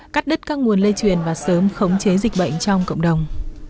cắt đứt các nguồn lây truyền và sớm khống chế dịch bệnh trong cộng đồng